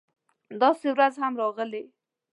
داسې ورځ هم ده راغلې